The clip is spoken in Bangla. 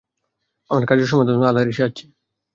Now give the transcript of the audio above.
আমার কার্য-সাধন তো আল্লাহরই সাহায্যে।